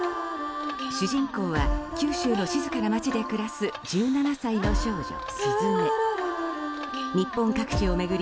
主人公は九州の静かな町で暮らす１７歳の少女・鈴芽。